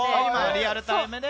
リアルタイムで。